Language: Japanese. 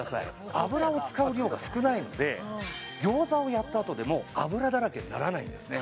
油を使う量が少ないので餃子をやった後でも油だらけにならないんですね